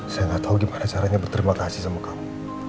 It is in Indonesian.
saya nggak tahu gimana caranya berterima kasih sama kamu